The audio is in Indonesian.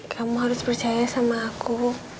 kamu harus percaya sama aku